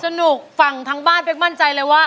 สนุกฝั่งทั้งบ้านเป๊กมั่นใจเลยว่า